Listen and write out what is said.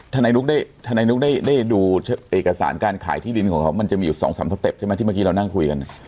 ทนายนุ๊กได้ดูเอกสารการขายที่ดินของเขามันจะมีอยู่๒๓สเต็ปใช่ไหมที่เมื่อกี้เรานั่งคุยกัน